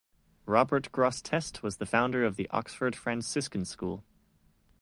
Robert Grosseteste, was the founder of the Oxford Franciscan school.